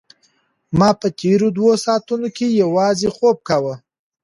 ما په تېرو دوو ساعتونو کې یوازې خوب کاوه.